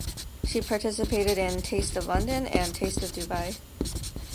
She participated in Taste of London and Taste of Dubai.